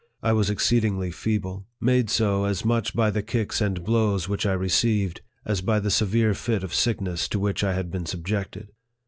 I was exceedingly feeble ; made so as much by the kicks and blows which I received, as by the severe fit of sickness to which I had been subjected.